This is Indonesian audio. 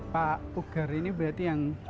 pak pugar ini berarti yang